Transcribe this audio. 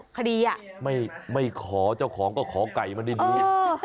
เขาก่อกดีอ่ะคือไหมครับไม่คอเจ้าของก็ขอกัยมันได้ดี